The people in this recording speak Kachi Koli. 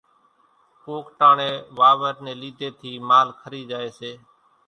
ڪوڪ ٽاڻيَ واورِ نيَ ليڌيَ ٿِي مال کرِي زائيَ سي۔